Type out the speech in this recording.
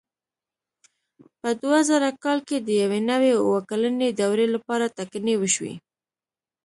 په دوه زره کال کې د یوې نوې اووه کلنې دورې لپاره ټاکنې وشوې.